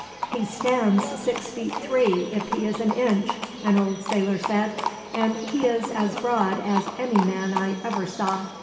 "He stands six feet three, if he is an inch," an old sailor said, "and he is as broad as any man I ever saw.